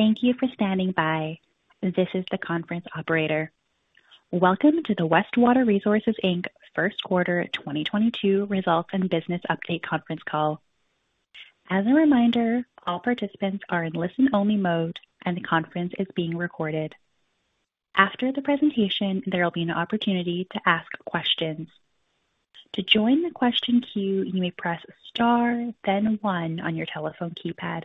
Thank you for standing by. This is the conference operator. Welcome to the Westwater Resources, Inc. First Quarter 2022 Results and Business Update conference call. As a reminder, all participants are in listen-only mode, and the conference is being recorded. After the presentation, there will be an opportunity to ask questions. To join the question queue, you may press star then one on your telephone keypad.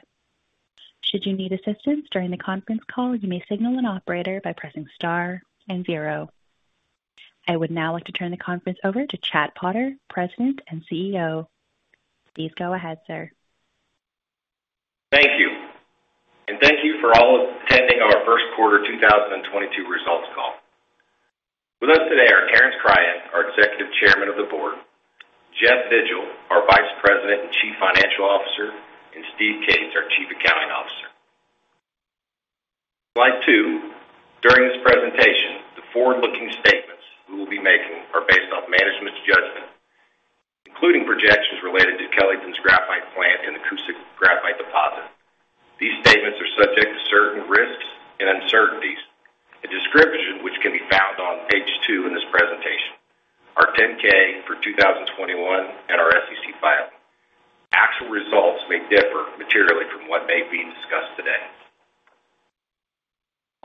Should you need assistance during the conference call, you may signal an operator by pressing star and zero. I would now like to turn the conference over to Chad Potter, President and CEO. Please go ahead, sir. Thank you, and thank you for all attending our Q1 2022 results call. With us today are Terence Cryan, our Executive Chairman of the Board, Jeff Vigil, our Vice President and Chief Financial Officer, and Steve Cates, our Chief Accounting Officer. Slide 2. During this presentation, the forward-looking statements we will be making are based off management's judgment, including projections related to Kellyton's graphite plant and Coosa graphite deposit. These statements are subject to certain risks and uncertainties, a description which can be found on page 2 in this presentation, our 10-K for 2021 and our SEC filing. Actual results may differ materially from what may be discussed today.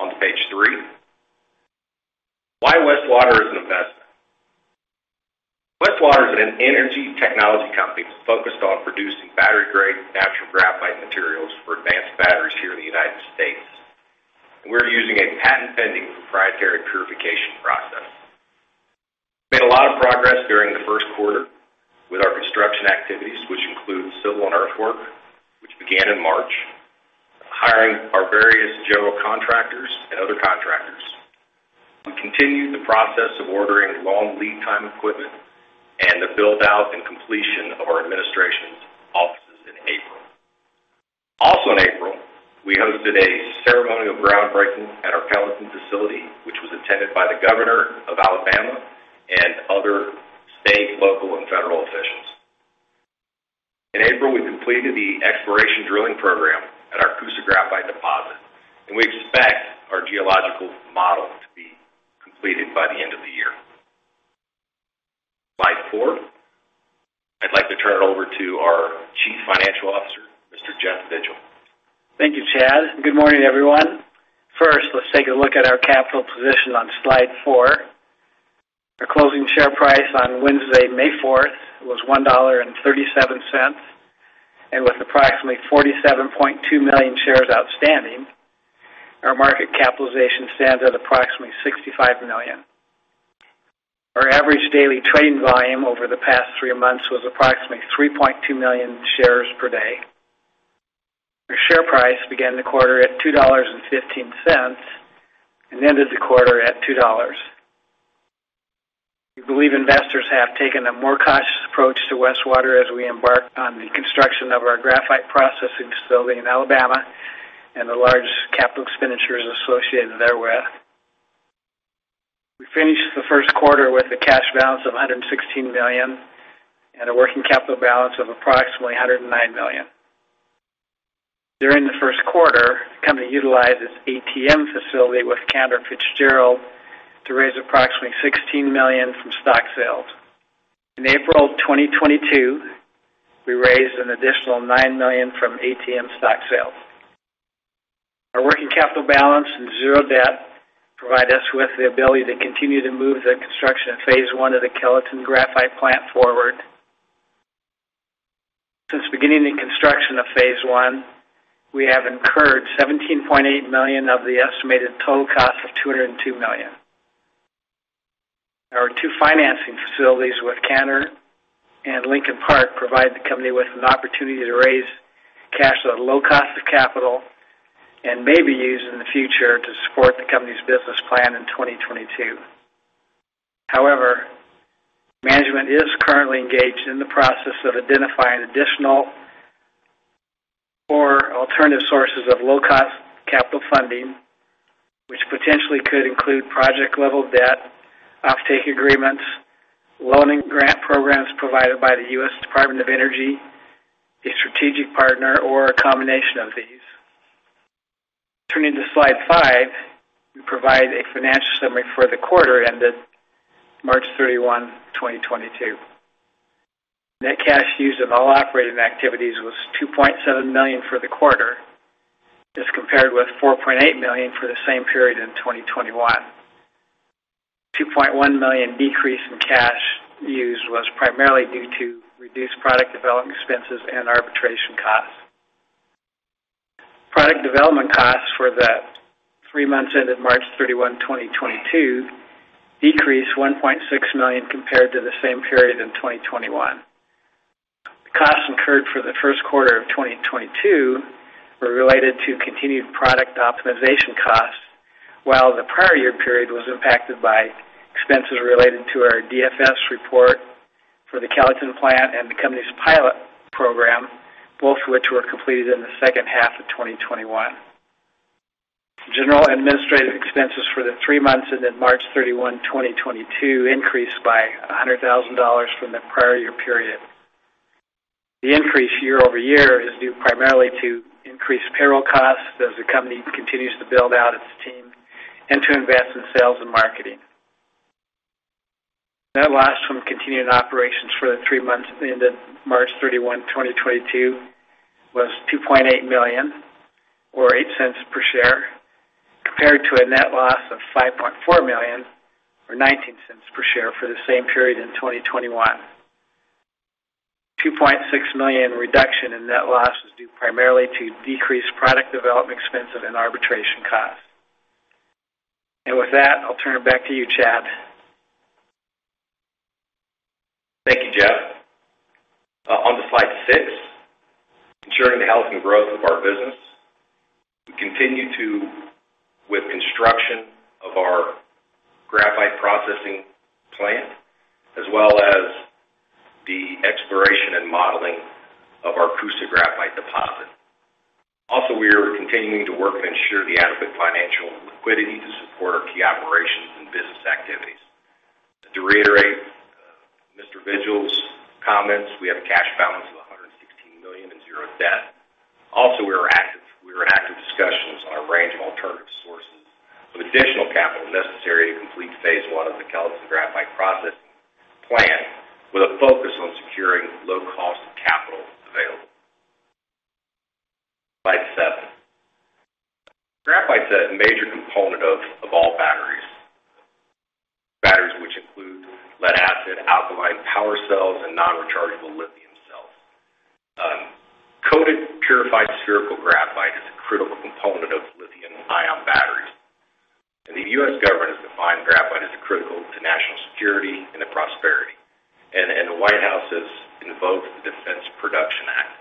On to page 3. Why Westwater as an investment? Westwater is an energy technology company focused on producing battery-grade natural graphite materials for advanced batteries here in the United States. We're using a patent-pending proprietary purification process. We made a lot of progress during the first quarter with our construction activities, which include civil and earthwork, which began in March, hiring our various general contractors and other contractors. We continued the process of ordering long lead time equipment and the build-out and completion of our administration offices in April. Also, in April, we hosted a ceremonial groundbreaking at our Kellyton facility, which was attended by the Governor of Alabama and other state, local, and federal officials. In April, we completed the exploration drilling program at our Coosa graphite deposit, and we expect our geological model to be completed by the end of the year. Slide 4. I'd like to turn it over to our Chief Financial Officer, Mr. Jeff Vigil. Thank you, Chad. Good morning, everyone. First, let's take a look at our capital position on slide four. Our closing share price on Wednesday, May fourth, was $1.37, and with approximately 47.2 million shares outstanding, our market capitalization stands at approximately $65 million. Our average daily trading volume over the past three months was approximately 3.2 million shares per day. Our share price began the quarter at $2.15 and ended the quarter at $2. We believe investors have taken a more cautious approach to Westwater as we embark on the construction of our graphite processing facility in Alabama and the large capital expenditures associated therewith. We finished the first quarter with a cash balance of $116 million and a working capital balance of approximately $109 million. During the first quarter, the company utilized its ATM facility with Cantor Fitzgerald to raise approximately $16 million from stock sales. In April 2022, we raised an additional $9 million from ATM stock sales. Our working capital balance and zero debt provide us with the ability to continue to move the construction of phase one of the Kellyton graphite plant forward. Since beginning the construction of phase one, we have incurred $17.8 million of the estimated total cost of $202 million. Our two financing facilities with Cantor and Lincoln Park provide the company with an opportunity to raise cash at a low cost of capital and may be used in the future to support the company's business plan in 2022. However, management is currently engaged in the process of identifying additional or alternative sources of low-cost capital funding, which potentially could include project level debt, offtake agreements, loan and grant programs provided by the US Department of Energy, a strategic partner, or a combination of these. Turning to slide 5, we provide a financial summary for the quarter ended March 31, 2022. Net cash used in all operating activities was $2.7 million for the quarter as compared with $4.8 million for the same period in 2021. $2.1 million decrease in cash used was primarily due to reduced product development expenses and arbitration costs. Product development costs for the three months ended March 31, 2022 decreased $1.6 million compared to the same period in 2021. The costs incurred for the first quarter of 2022 were related to continued product optimization costs, while the prior year period was impacted by expenses related to our DFS report for the Kellyton Plant and the company's pilot program, both of which were completed in the second half of 2021. General & administrative expenses for the three months ended March 31, 2022 increased by $100,000 from the prior year period. The increase year-over-year is due primarily to increased payroll costs as the company continues to build out its team and to invest in sales and marketing. Net loss from continuing operations for the three months ended March 31, 2022 was $2.8 million, or $0.08 per share, compared to a net loss of $5.4 million, or $0.19 per share, for the same period in 2021. $2.6 million reduction in net loss was due primarily to decreased product development expense and arbitration costs. With that, I'll turn it back to you, Chad. Thank you, Jeff. Onto slide six. Ensuring the health and growth of our business. We continue with construction of our graphite processing plant, as well as the exploration and modeling of our Coosa graphite deposit. Also, we are continuing to work to ensure the adequate financial liquidity to support our key operations and business activities. To reiterate, Mr. Vigil's comments, we have a cash balance of $116 million and zero debt. We are in active discussions on a range of alternative sources of additional capital necessary to complete phase 1 of the Kellyton Graphite Processing Plant, with a focus on securing low-cost capital available. Slide 7. Graphite's a major component of all batteries. Batteries which include lead-acid, alkaline power cells, and non-rechargeable lithium cells. Coated Spherical Purified Graphite is a critical component of lithium-ion batteries. The U.S. government has defined graphite as critical to national security and prosperity. The White House has invoked the Defense Production Act.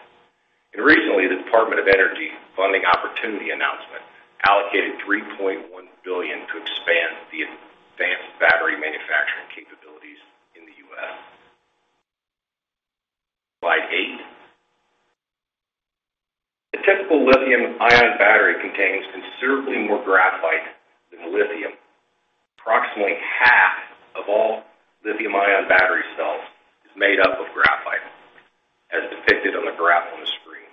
Recently, the Department of Energy funding opportunity announcement allocated $3.1 billion to expand the advanced battery manufacturing capabilities in the U.S. Slide 8. The typical lithium-ion battery contains considerably more graphite than lithium. Approximately half of all lithium-ion battery cells is made up of graphite, as depicted on the graph on the screen.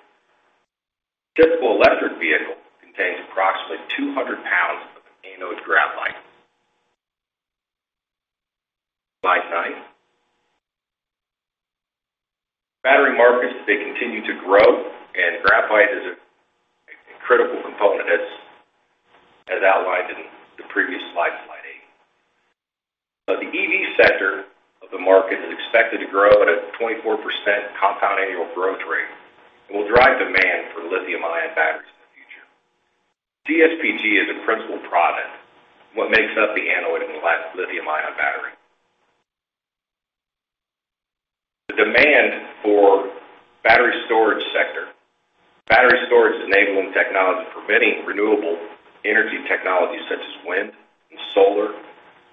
Typical electric vehicle contains approximately 200 pounds of anode graphite. Slide nine. Battery markets, they continue to grow, and graphite is a critical component, as outlined in the previous slide 8. Now, the EV sector of the market is expected to grow at a 24% compound annual growth rate and will drive demand for lithium-ion batteries in the future. CSPG is a principal product, what makes up the anode in the lithium-ion battery. The demand for battery storage sector. Battery storage is enabling technology preventing renewable energy technologies such as wind and solar,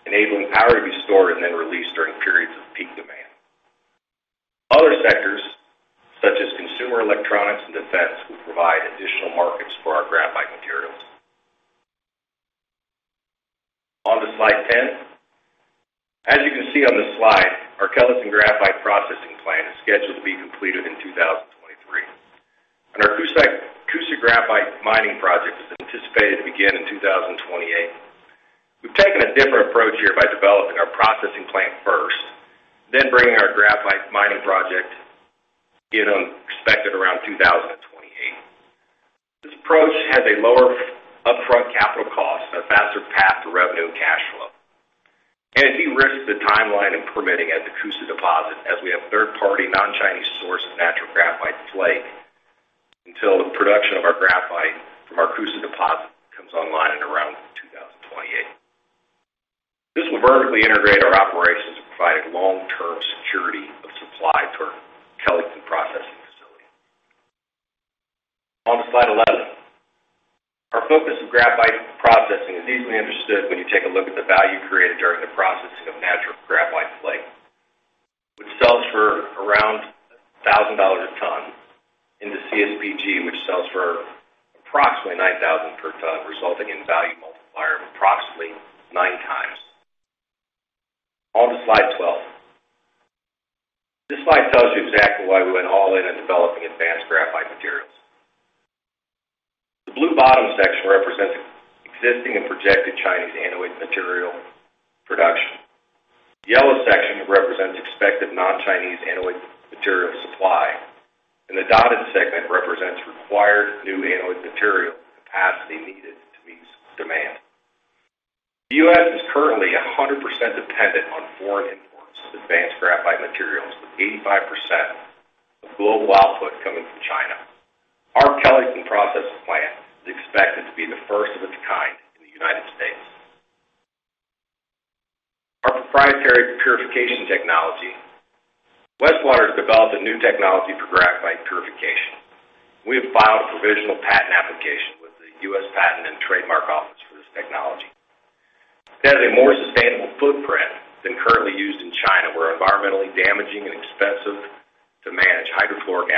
enabling power to be stored and then released during periods of peak demand. Other sectors, such as consumer electronics and defense, will provide additional markets for our graphite materials. On to slide 10. As you can see on this slide, our Kellyton Graphite Processing Plant is scheduled to be completed in 2023. Our Coosa Graphite Mining Project is anticipated to begin in 2028. We've taken a different approach here by developing our processing plant first, then bringing our graphite mining project online, expected around 2028. This approach has a lower upfront capital cost and a faster path to revenue and cash flow, and a few risks to timeline and permitting at the Coosa deposit, as we have third-party non-Chinese source of natural graphite flake until the production of our graphite from our Coosa deposit comes online in around 2028. This will vertically integrate our operations, providing long-term security of supply to our Kellyton processing facility. On to slide 11. Our focus of graphite processing is easily understood when you take a look at the value created during the processing of natural graphite flake, which sells for around $1,000 a ton, into CSPG, which sells for approximately $9,000 per ton, resulting in value multiplier of approximately nine times. On to slide 12. This slide tells you exactly why we went all in on developing advanced graphite materials. The blue bottom section represents existing and projected Chinese anode material production. The yellow section represents expected non-Chinese anode material supply. The dotted segment represents required new anode material capacity needed to meet demand. The U.S. is currently 100% dependent on foreign imports of advanced graphite materials, with 85% of global output coming from China. Our Kellyton processing plant is expected to be the first of its kind in the United States. Our proprietary purification technology. Westwater has developed a new technology for graphite purification. We have filed a provisional patent application with the U.S. Patent and Trademark Office for this technology. It has a more sustainable footprint than currently used in China, where environmentally damaging and expensive to manage hydrofluoric.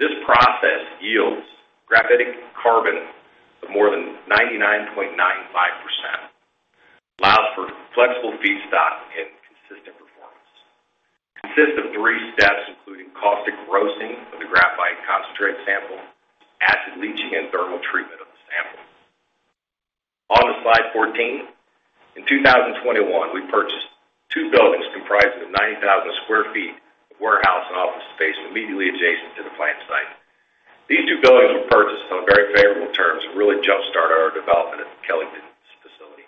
This process yields graphitic carbon of more than 99.95%, allows for flexible feedstock and consistent performance. Consists of three steps, including caustic roasting of the graphite concentrate sample, acid leaching, and thermal treatment of the sample. On to slide 14. In 2021, we purchased two buildings comprising 90,000 sq ft of warehouse and office space immediately adjacent to the plant site. These two buildings were purchased on very favorable terms and really jumpstart our development at the Kellyton facility.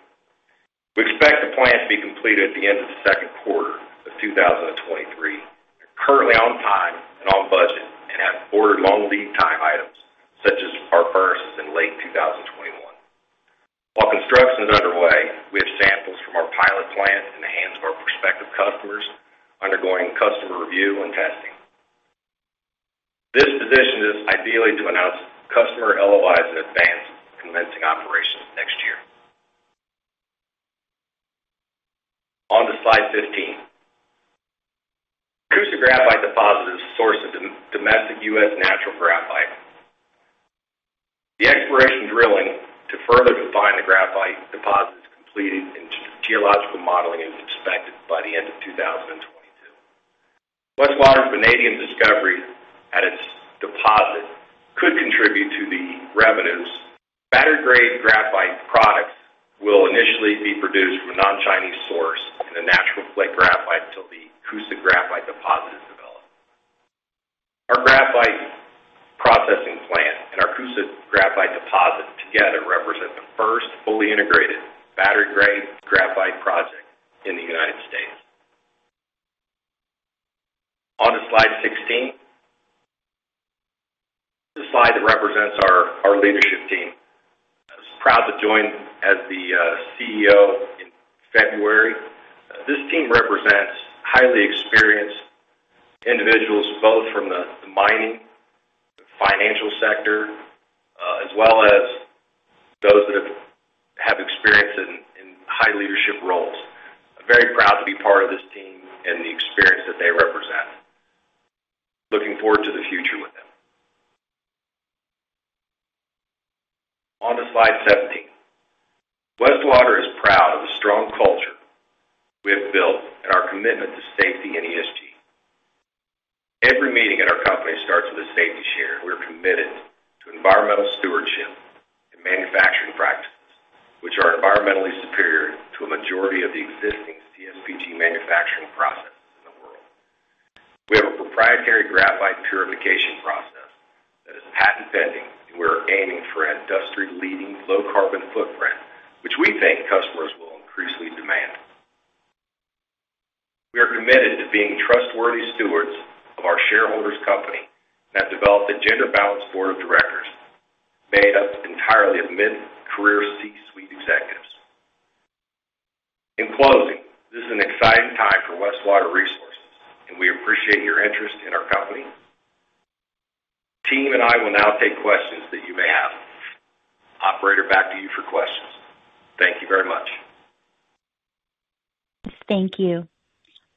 We expect the plant to be completed at the end of the second quarter of 2023. We're currently on time and on budget and have ordered long lead time items such as our furnaces in late 2021. While construction is underway, we have samples from our pilot plant in the hands of our prospective customers undergoing customer review and testing. This positions us ideally to announce customer LOIs in advance of commencing operations next year. On to slide 15. Coosa graphite deposit is a source of domestic U.S. natural graphite. The exploration drilling to further define the graphite deposit is completed, and geological modeling is expected by the end of 2022. Westwater's vanadium discovery at its deposit could contribute to the revenues. Battery-grade graphite products will initially be produced from a non-Chinese source in a natural flake graphite until the Coosa graphite deposit is developed. Our graphite processing plant and our Coosa graphite deposit together represent the first fully integrated battery-grade graphite project in the United States. On to slide 16. This slide represents our leadership team. I was proud to join as the CEO in February. This team represents highly experienced individuals, both from the mining, the financial sector, as well as those that have experience in high leadership roles. I'm very proud to be part of this team and the experience that they represent. Looking forward to the future with them. On to slide 17. Westwater is proud of the strong culture we have built and our commitment to safety and ESG. Every meeting at our company starts with a safety share. We are committed to environmental stewardship and manufacturing practices, which are environmentally superior to a majority of the existing CSPG manufacturing processes in the world. We have a proprietary graphite purification process that is patent pending, and we are aiming for an industry-leading low carbon footprint, which we think customers will increasingly demand. We are committed to being trustworthy stewards of our shareholders' company and have developed a gender-balanced board of directors made up entirely of mid-career C-suite executives. In closing, this is an exciting time for Westwater Resources, and we appreciate your interest in our company. The team and I will now take questions that you may have. Operator, back to you for questions. Thank you very much. Thank you.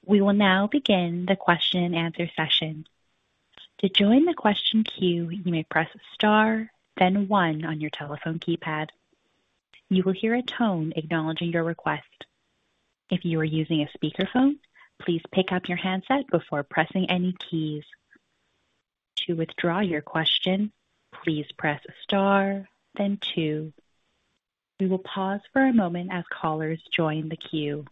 We will now begin the question and answer session. To join the question queue, you may press star then one on your telephone keypad. You will hear a tone acknowledging your request. If you are using a speakerphone, please pick up your handset before pressing any keys. To withdraw your question, please press star then two. We will pause for a moment as callers join the queue.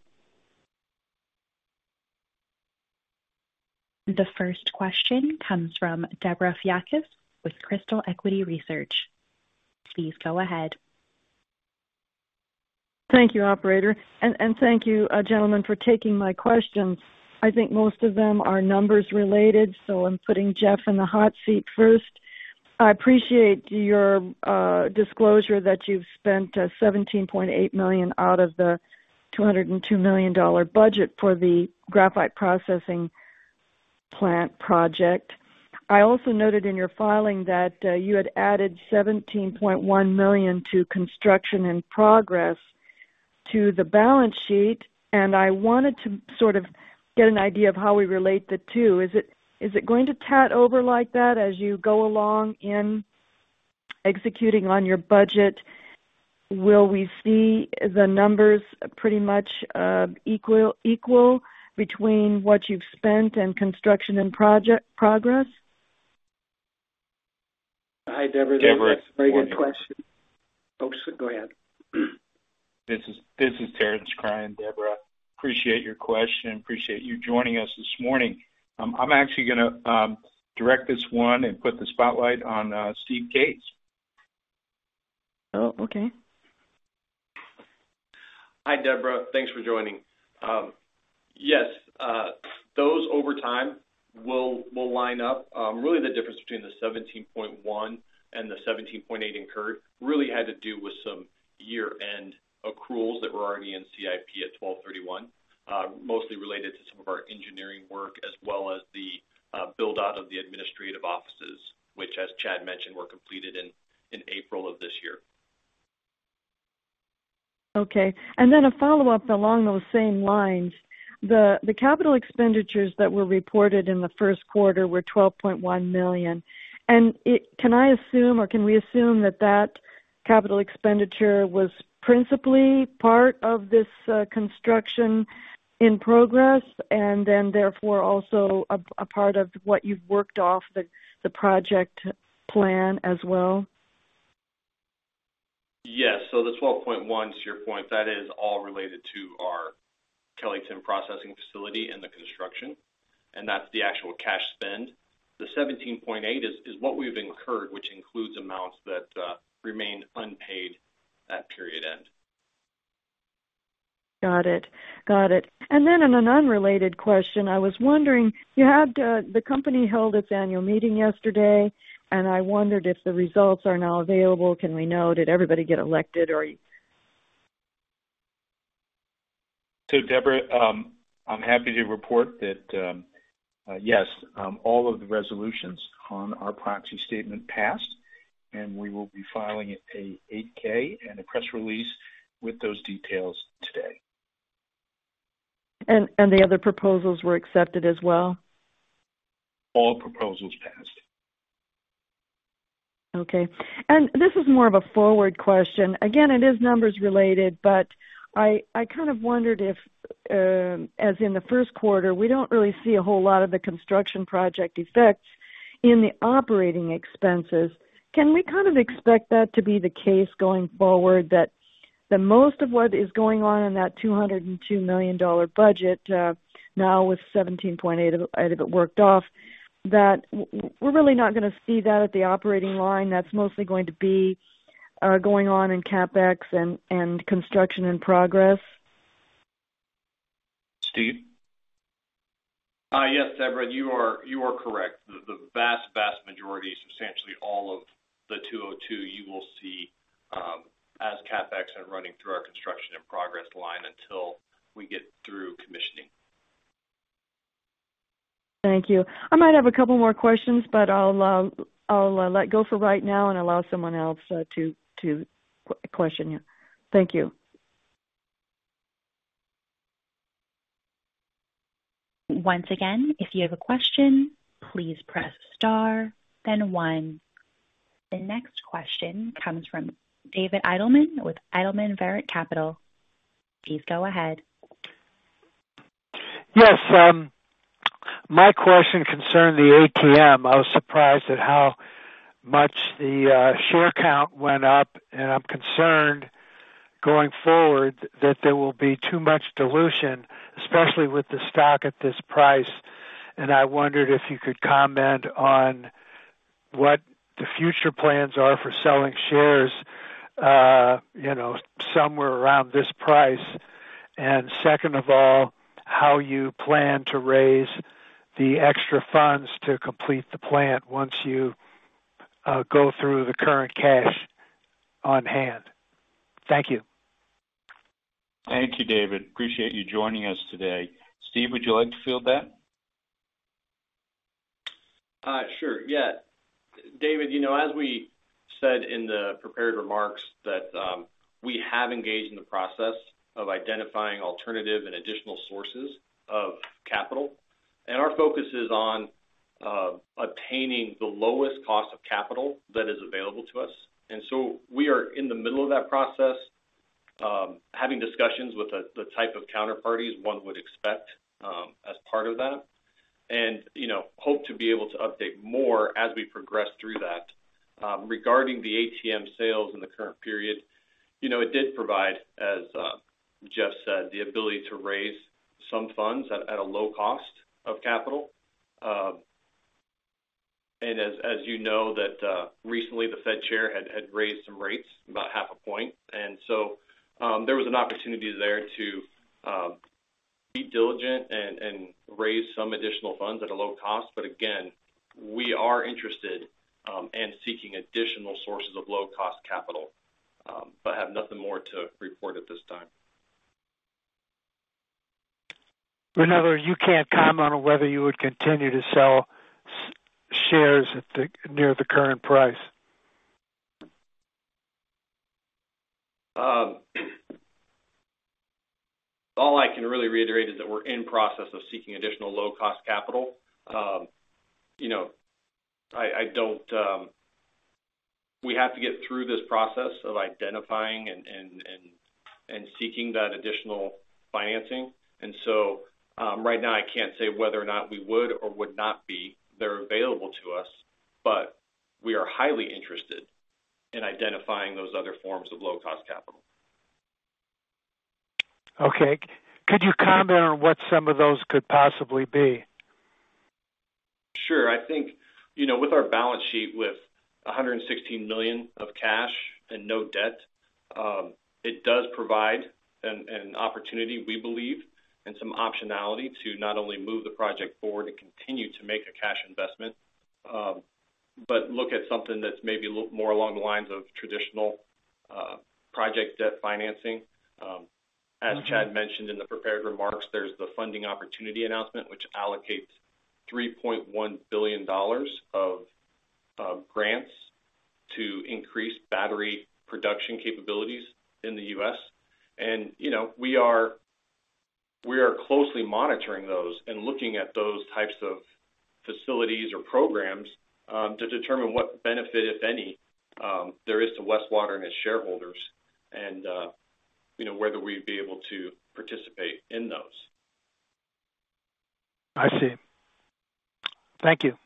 The first question comes from Debra Fiakas with Crystal Equity Research. Please go ahead. Thank you, operator. Thank you, gentlemen, for taking my questions. I think most of them are numbers related, so I'm putting Jeff in the hot seat first. I appreciate your disclosure that you've spent $17.8 million out of the $202 million budget for the graphite processing plant project. I also noted in your filing that you had added $17.1 million to construction in progress to the balance sheet, and I wanted to sort of get an idea of how we relate the two. Is it going to add over like that as you go along in executing on your budget? Will we see the numbers pretty much equal between what you've spent and construction in progress? Hi, Debra. That's a very good question. Debra, it's Cryan. Folks, go ahead. This is Terence Cryan, Debra. Appreciate your question. Appreciate you joining us this morning. I'm actually gonna direct this one and put the spotlight on Steve Cates. Oh, okay. Hi, Debra. Thanks for joining. Yes, those over time will line up. Really, the difference between the $17.1 and the $17.8 incurred really had to do with some year-end accruals that were already in CIP at 12/31, mostly related to some of our engineering work, as well as the build out of the administrative offices, which as Chad mentioned, were completed in April of this year. Okay. A follow-up along those same lines. The capital expenditures that were reported in the first quarter were $12.1 million. Can I assume or can we assume that capital expenditure was principally part of this, construction in progress and then therefore also a part of what you've worked off the project plan as well? Yes. The $12.1, to your point, that is all related to our Kellyton processing facility and the construction, and that's the actual cash spend. The $17.8 is what we've incurred, which includes amounts that remain unpaid at period end. Got it. In an unrelated question, I was wondering, you had, the company held its annual meeting yesterday, and I wondered if the results are now available. Can we know, did everybody get elected or. Debra, I'm happy to report that, yes, all of the resolutions on our proxy statement passed, and we will be filing an 8-K and a press release with those details today. The other proposals were accepted as well? All proposals passed. Okay. This is more of a forward question. Again, it is numbers related, but I kind of wondered if, as in the first quarter, we don't really see a whole lot of the construction project effects in the operating expenses. Can we kind of expect that to be the case going forward, that the most of what is going on in that $202 million budget, now with $17.8 million of it worked off, that we're really not gonna see that at the operating line? That's mostly going to be going on in CapEx and construction in progress. Steve? Yes, Deborah, you are correct. The vast majority, substantially all of the $202 you will see as CapEx and running through our construction in progress line until we get through commissioning. Thank you. I might have a couple more questions, but I'll let go for right now and allow someone else to question you. Thank you. Once again, if you have a question, please press star then one. The next question comes from David Eidelman with Eidelman Virant Capital. Please go ahead. Yes, my question concerned the ATM. I was surprised at how much the share count went up, and I'm concerned going forward that there will be too much dilution, especially with the stock at this price. I wondered if you could comment on what the future plans are for selling shares, you know, somewhere around this price. Second of all, how you plan to raise the extra funds to complete the plant once you go through the current cash on hand. Thank you. Thank you, David. Appreciate you joining us today. Steve, would you like to field that? David, you know, as we said in the prepared remarks that, we have engaged in the process of identifying alternative and additional sources of capital, and our focus is on, obtaining the lowest cost of capital that is available to us. We are in the middle of that process, having discussions with the type of counterparties one would expect, as part of that and, you know, hope to be able to update more as we progress through that. Regarding the ATM sales in the current period, you know, it did provide, as, Jeff said, the ability to raise some funds at, a low cost of capital. As you know that, recently the Fed Chair had raised some rates about half a point. There was an opportunity there to be diligent and raise some additional funds at a low cost. Again, we are interested and seeking additional sources of low-cost capital, but have nothing more to report at this time. In other words, you can't comment on whether you would continue to sell shares at or near the current price. All I can really reiterate is that we're in process of seeking additional low cost capital. You know, we have to get through this process of identifying and seeking that additional financing. Right now I can't say whether or not we would or would not be. They're available to us, but we are highly interested in identifying those other forms of low cost capital. Okay. Could you comment on what some of those could possibly be? Sure. I think, you know, with our balance sheet with $116 million of cash and no debt, it does provide an opportunity, we believe, and some optionality to not only move the project forward and continue to make a cash investment, but look at something that's maybe more along the lines of traditional project debt financing. As Chad mentioned in the prepared remarks, there's the funding opportunity announcement, which allocates $3.1 billion of grants to increase battery production capabilities in the US. You know, we are closely monitoring those and looking at those types of facilities or programs to determine what benefit, if any, there is to Westwater and its shareholders and, you know, whether we'd be able to participate in those. I see. Thank you.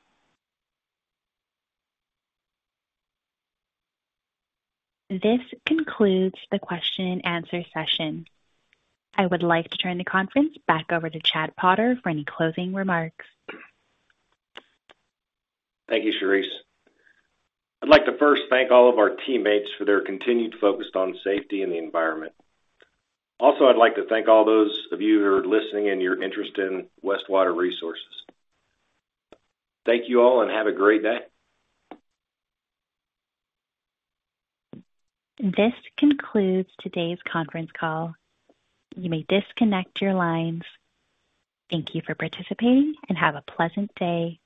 This concludes the question and answer session. I would like to turn the conference back over to Chad Potter for any closing remarks. Thank you, Charisse. I'd like to first thank all of our teammates for their continued focus on safety and the environment. Also, I'd like to thank all those of you who are listening and your interest in Westwater Resources. Thank you all and have a great day. This concludes today's conference call. You may disconnect your lines. Thank you for participating and have a pleasant day.